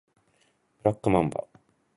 ブラックマンバ